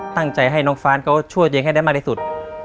ตั้งใจให้น้องฟ้านเขาช่วยตัวเองให้ได้มากที่สุด